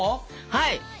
はい！